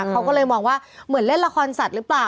เขาก็เลยมองว่าเหมือนเล่นละครสัตว์หรือเปล่า